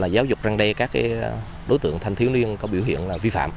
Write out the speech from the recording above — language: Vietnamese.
giáo dục răng đe các đối tượng thanh thiếu niên có biểu hiện vi phạm